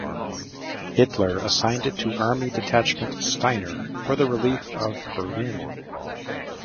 Hitler assigned it to Army Detachment Steiner for the relief of Berlin.